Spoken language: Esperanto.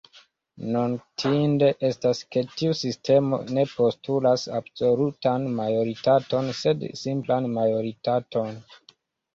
Notinde estas ke tiu sistemo ne postulas absolutan majoritaton sed simplan majoritaton.